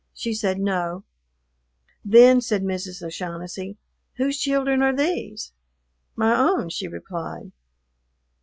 She said, "No." "Then," said Mrs. O'Shaughnessy, "whose children are these?" "My own," she replied.